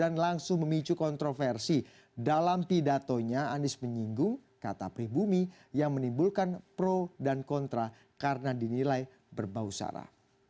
dan langsung memicu kontroversi dalam pidatonya andis menyinggung kata pribumi yang menimbulkan pro dan kontra karena dinilai berbausara